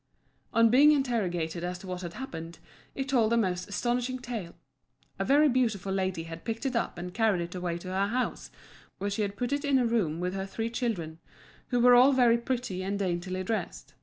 On being interrogated as to what had happened, it told a most astounding tale: A very beautiful lady had picked it up and carried it away to her house, where she had put it in a room with her three children, who were all very pretty and daintily dressed.